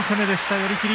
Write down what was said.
寄り切り。